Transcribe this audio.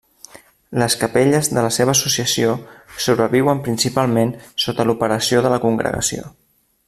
Les capelles de la seva associació, sobreviuen principalment sota l'operació de la Congregació.